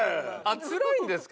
つらいんですか？